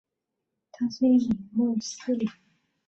他是一名穆斯林。